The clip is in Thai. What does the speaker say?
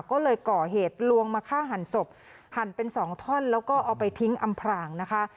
ก็เลยก่อเหตุลวงมาฆ่าหันศพหั่นเป็นสองท่อนแล้วก็เอาไปทิ้งอำพรางนะคะ